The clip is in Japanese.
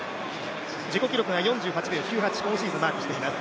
自己記録が４８秒９８、今シーズンマークしています。